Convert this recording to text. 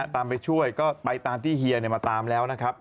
ไปช่วยก็ไปตามที่เฮียมาตามแล้วนะครับ